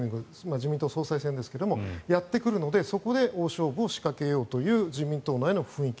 自民党総裁選ですがやってくるのでそこで大勝負を仕掛けようという自民党内の雰囲気。